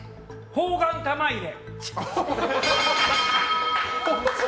砲丸玉入れ。